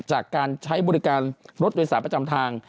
จากการใช้บริการรถโดยสารประจำทาง